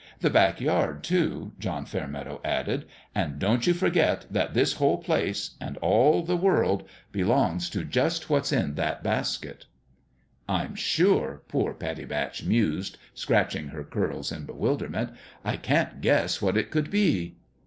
"The back yard, too," John Fairmeadow added ;" and don't you forget that this whole place and all the world belongs to just what's in that basket." " I'm sure," poor Pattie Batch mused, scratch ing her curls in bewilderment, " I can't guess what it could be."